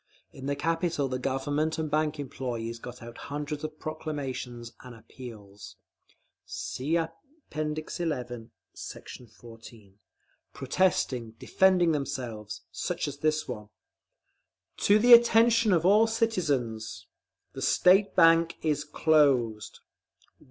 In the capital the Government and bank employees got out hundreds of proclamations and appeals (See App. XI, Sect. 14), protesting, defending themselves, such as this one: TO THE ATTENTION OF ALL CITIZENS. THE STATE BANK IS CLOSED!